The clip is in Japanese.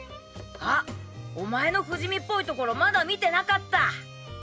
あっお前の不死身っぽいところまだ見てなかった。